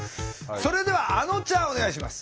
それではあのちゃんお願いします！